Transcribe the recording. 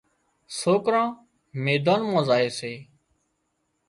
سوڪران ميدان مان زائي سي